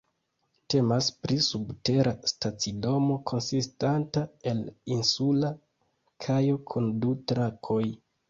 Temas pri subtera stacidomo konsistanta el insula kajo kun du trakoj.